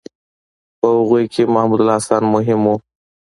په هغوی کې محمودالحسن مهم و.